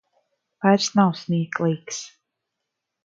Vairs nav smieklīgs.